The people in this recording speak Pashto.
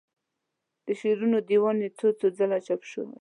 د شعرونو دیوان یې څو څو ځله چاپ شوی.